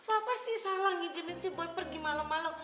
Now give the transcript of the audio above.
apa sih salah nginjinin si boy pergi malam malam